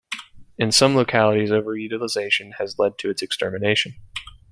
In some localities over-utilisation has led to its extermination.